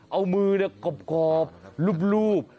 เอามือกรอบรูป